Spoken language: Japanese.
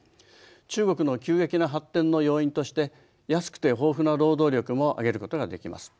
中国の急激な発展の要因として安くて豊富な労働力も挙げることができます。